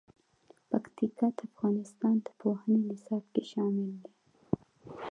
پکتیکا د افغانستان د پوهنې نصاب کې شامل دي.